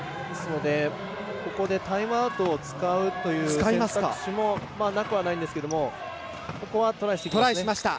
ここでタイムアウトを使うという選択肢もなくはないんですけどここはトライしてきましたね。